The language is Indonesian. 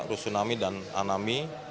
rusunami dan anami